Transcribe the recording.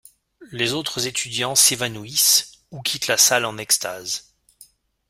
Les autres étudiants s'évanouissent ou quittent la salle en extase.